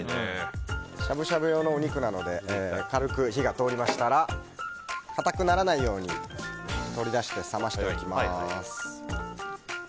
しゃぶしゃぶ用のお肉なので軽く火が通りましたら硬くならないように取り出して冷ましておきます。